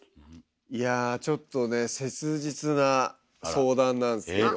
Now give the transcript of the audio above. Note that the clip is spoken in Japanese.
いやちょっとね切実な相談なんすけど。